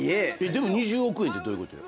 でも２０億円ってどういうことよ？